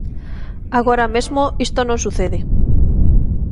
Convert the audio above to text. Agora mesmo isto non sucede.